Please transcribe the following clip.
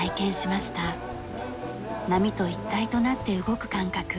波と一体となって動く感覚。